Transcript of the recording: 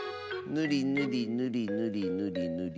ぬりぬりぬりぬりぬりぬり